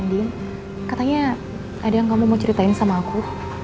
katanya ada yang kamu mau ceritain sama aku